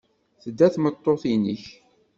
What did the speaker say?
Tedda tmeṭṭut-nnek.